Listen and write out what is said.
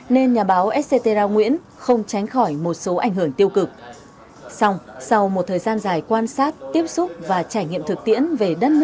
nên nhà báo etcetera nguyễn không tránh khỏi một số vấn đề